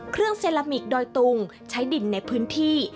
เซรามิกดอยตุงใช้ดินในพื้นที่